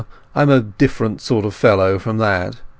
I'm a different sort of fellow from that!